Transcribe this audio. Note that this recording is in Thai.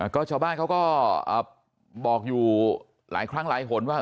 ก็ชาวบ้านเขาก็บอกอยู่หลายครั้งหลายหนว่า